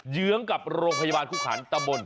เยื้องกับโรงพยาบาลคุกคันทรรม